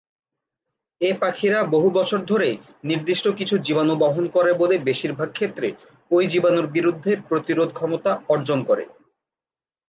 এ পাখিরা বহু বছর ধরে নির্দিষ্ট কিছু জীবাণু বহন করে বলে বেশিরভাগ ক্ষেত্রে ঐ জীবাণুর বিরুদ্ধে প্রতিরোধ ক্ষমতা অর্জন করে।